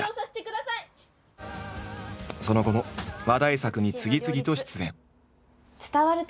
その後も話題作に次々と出演。